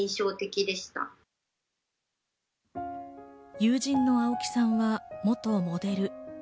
友人の青木さんは、元モデル。